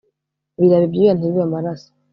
Birabe ibyuya ntibibe amaraso.